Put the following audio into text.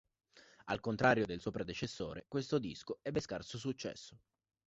Al contrario del suo predecessore, questo disco ebbe scarso successo.